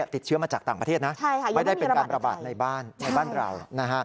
ติดเชื้อมาจากต่างประเทศนะไม่ได้เป็นการระบาดในบ้านในบ้านเรา